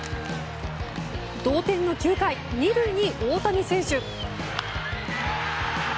同点の９回、２塁に大谷選手。